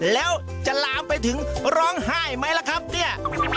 แล้วจะลามไปถึงร้องไห้ไหมล่ะครับเนี่ย